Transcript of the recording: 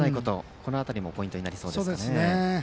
この辺りもポイントになりそうですね。